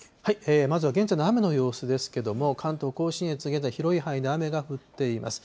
まずは現在の雨の様子ですけれども、関東甲信越、現在、広い範囲で雨が降っています。